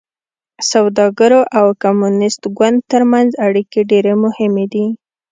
سوداګرو او کمونېست ګوند ترمنځ اړیکې ډېرې مهمې دي.